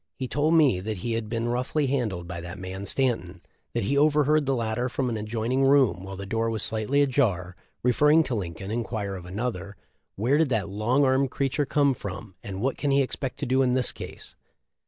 He told me that he had been 356 THE LIFE 0F LINCOLN. ''roughly handled by that man Stanton"; that he overheard the latter from an adjoining room, while the door was slightly ajar, referring to Lin coln, inquire of another, "Where did that long armed creature come from, and what can he expect to do in this case?"